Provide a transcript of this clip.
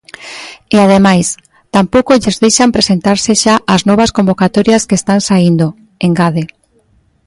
E, ademais, tampouco lles deixan presentarse xa ás novas convocatorias que están saíndo, engade.